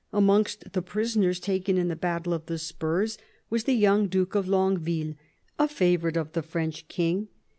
Amongst the prisoners taken in the Battle of the Spurs was the 32 THOMAS WOLSEY chap. young Duke of Longueville, a favourite ot the French king.